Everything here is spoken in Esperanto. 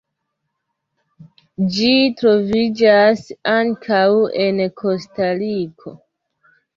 Ĝi troviĝas ankaŭ en Kostariko.